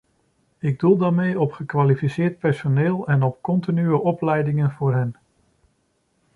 Ik doel daarmee op gekwalificeerd personeel en op continue opleidingen voor hen.